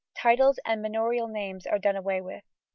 Titles and manorial names are done away with.